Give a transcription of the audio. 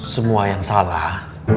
semua yang salah